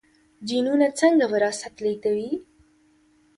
جینونه څنګه وراثت لیږدوي؟